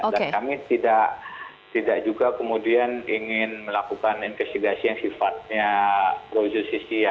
dan kami tidak juga kemudian ingin melakukan investigasi yang sifatnya proyek sisi ya